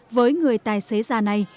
với người tài xế già này